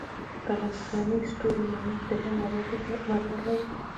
د غزني ستوري ماڼۍ د هند مرمرو لري